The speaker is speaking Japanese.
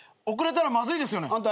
遅れたらまずいですよね。